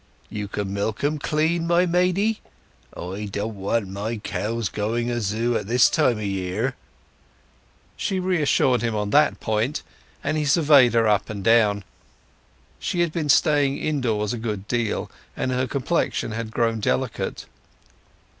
"You can milk 'em clean, my maidy? I don't want my cows going azew at this time o' year." She reassured him on that point, and he surveyed her up and down. She had been staying indoors a good deal, and her complexion had grown delicate.